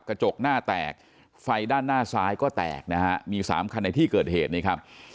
กระจกหน้าแตกไฟด้านหน้าซ้ายก็แตกนะฮะมีสามคันในที่เกิดเหตุนี่ครับ